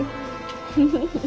フフフッ。